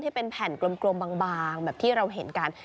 ที่เป็นแผ่นกลมบางแบบที่เราเห็นกัน